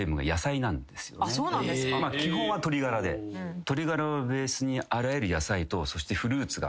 基本は鶏ガラで鶏ガラをベースにあらゆる野菜とそしてフルーツが。